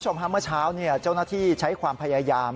คุณผู้ชมฮาเมื่อเช้าเจ้าหน้าที่ใช้ความพยายาม